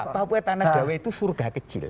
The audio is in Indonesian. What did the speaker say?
papua tanah damai itu surga kecil